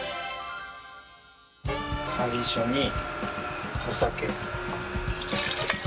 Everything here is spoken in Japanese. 最初にお酒。